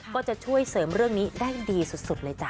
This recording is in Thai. ก็จะช่วยเสริมเรื่องนี้ได้ดีสุดเลยจ้